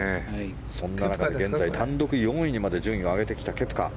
そんな中、現在単独４位までスコアを上げてきたケプカ。